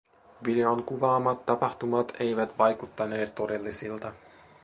Videon kuvaamat tapahtumat eivät vaikuttaneet todellisilta.